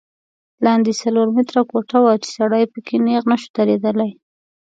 لاندې څلور متره کوټه وه چې سړی په کې نیغ نه شو درېدلی.